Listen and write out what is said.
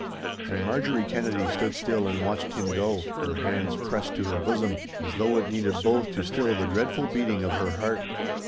And Marjorie Kennedy stood still and watched him go, her hands pressed to her bosom, as though it needed both to still the dreadful beating of her heart.